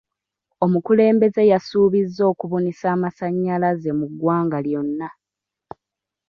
Omukulembeze yasuubiza okubunisa amasanyalaze mu ggwanga lyonna.